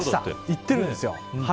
行ってるんですよ。